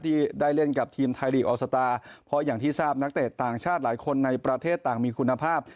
ที่ได้เล่นกับทีมไทยลีกออกสตาร์เพราะอย่างที่ทราบนักเตะต่างชาติหลายคนในประเทศต่างมีคุณภาพ